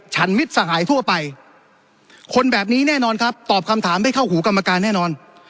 มิตรสหายทั่วไปคนแบบนี้แน่นอนครับตอบคำถามได้เข้าหูกรรมการแน่นอน